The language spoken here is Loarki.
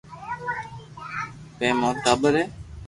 ٻي مارو ٽاٻر ھي